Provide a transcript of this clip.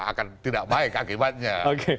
akan tidak baik akibatnya